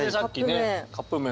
カップ麺。